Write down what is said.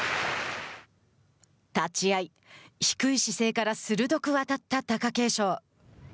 立ち合い、低い姿勢から鋭く当たった貴景勝。